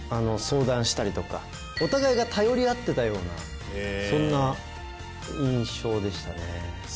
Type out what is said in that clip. お互いが頼り合ってたようなそんな印象でしたね。